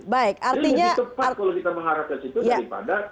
jadi lebih tepat kalau kita mengarah ke situ daripada